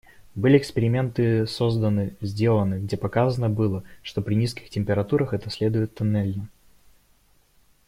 Были эксперименты созданы, сделаны, где показано было, что при низких температурах это следует тоннельно.